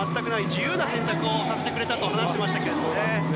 自由な選択をしてくれたと話していました。